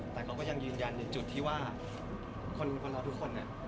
แต่เขาก็ยังยืนยันในจุดที่ว่าคนเราทุกคนเนี่ย